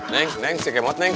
neng neng si kemot neng